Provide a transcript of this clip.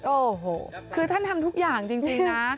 โอ้โหคือท่านทำทุกอย่างจริงนะ